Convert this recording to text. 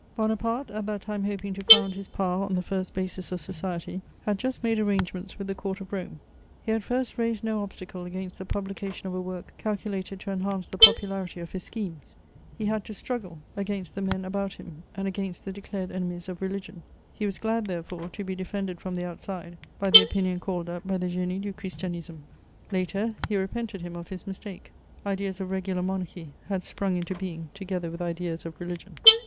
Bonaparte, at that time hoping to found his power on the first basis of society, had just made arrangements with the Court of Rome: he at first raised no obstacle against the publication of a work calculated to enhance the popularity of his schemes; he had to struggle against the men about him and against the declared enemies of religion; he was glad therefore to be defended from the outside by the opinion called up by the Génie du Christianisme. Later, he repented him of his mistake; ideas of regular monarchy had sprung into being together with ideas of religion.